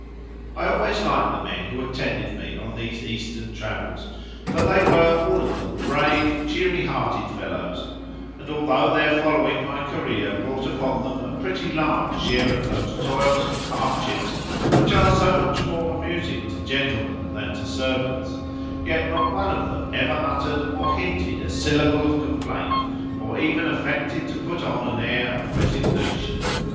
I always liked the men who attended me on these Eastern travels, for they were all of them brave, cheery hearted fellows; and although their following my career brought upon them a pretty large share of those toils and hardships which are so much more amusing to gentlemen than to servants, yet not one of them ever uttered or hinted a syllable of complaint, or even affected to put on an air of resignation.